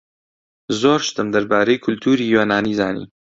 زۆر شتم دەربارەی کولتووری یۆنانی زانی.